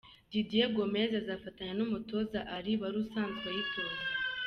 Didier Gomez azafatanya n’umutoza Ally wari usanzwe ayitoza.